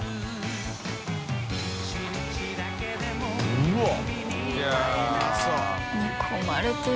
うわっ！